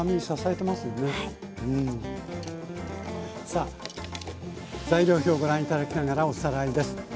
さあ材料表ご覧頂きながらおさらいです。